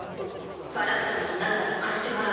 ファラクトなりなんなり貸してもらう。